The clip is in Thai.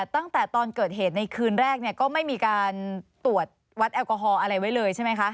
ตั้งแต่ตอนเกิดเหตุในคืนแรกก็ไม่มีการตรวจวัดแอลกอฮอลอะไรไว้เลยใช่ไหมคะ